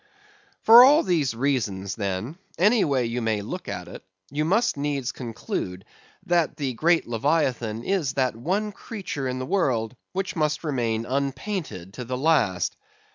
For all these reasons, then, any way you may look at it, you must needs conclude that the great Leviathan is that one creature in the world which must remain unpainted to the last.